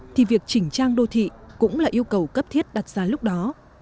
thì việc chỉnh trang đô thị cũng là yêu cầu cấp thiết đặt ra lúc đó